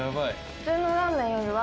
普通のラーメンよりは。